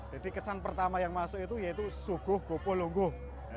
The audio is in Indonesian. jadi kesan pertama yang masuk itu yaitu suguh gopo longguh